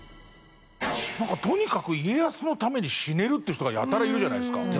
とにかく家康のために死ねるって人がやたらいるじゃないですか。